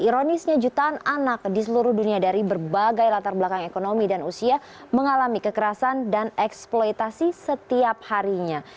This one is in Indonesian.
ironisnya jutaan anak di seluruh dunia dari berbagai latar belakang ekonomi dan usia mengalami kekerasan dan eksploitasi setiap harinya